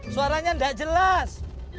suaranya enggak jelas